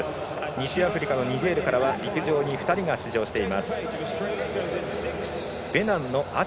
西アフリカのニジェールからは陸上から２人が出場しています。